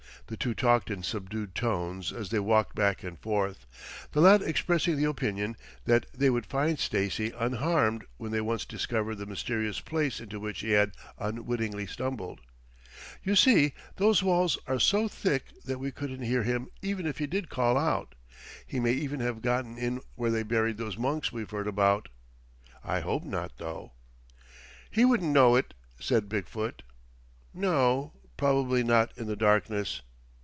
The two talked in subdued tones as they walked back and forth, the lad expressing the opinion that they would find Stacy unharmed when they once discovered the mysterious place into which he had unwittingly stumbled. "You see, those walls are so thick that we couldn't hear him even if he did call out. He may even have gotten in where they buried those monks we've heard about. I hope not, though." "He wouldn't know it," said Big foot. "No, probably not in the darkness.